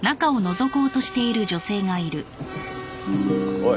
おい！